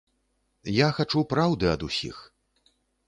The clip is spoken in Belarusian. Я хачу праўды ад усіх.